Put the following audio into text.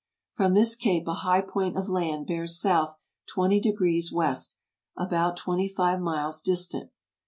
From this cape a high point of land bears south 20° west, about twenty five miles distant.